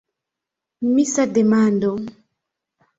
Misa demando.